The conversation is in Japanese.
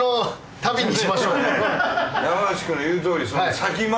山内くんの言うとおり。